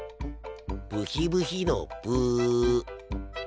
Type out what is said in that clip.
ブヒブヒのブ。